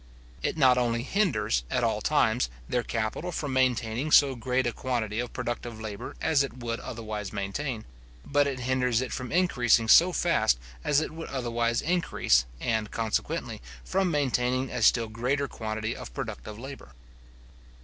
It not only hinders, at all times, their capital from maintaining so great a quantity of productive labour as it would otherwise maintain, but it hinders it from increasing so fast as it would otherwise increase, and, consequently, from maintaining a still greater quantity of productive labour.